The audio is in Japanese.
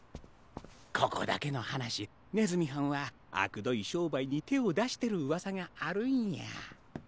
ここだけのはなしねずみはんはあくどいしょうばいにてをだしてるうわさがあるんや。